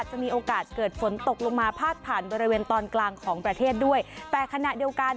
จะมีโอกาสเกิดฝนตกลงมาพาดผ่านบริเวณตอนกลางของประเทศด้วยแต่ขณะเดียวกัน